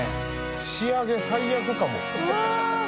仕上げ最悪かも。